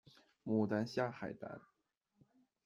牡丹虾海胆